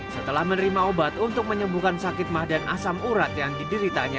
setelah menerima obat untuk menyembuhkan sakit mah dan asam urat yang dideritanya